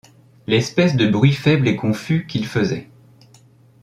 L'espèce de bruit faible et confus qu'il faisait